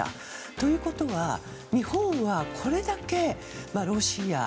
ということは、日本はこれだけロシア、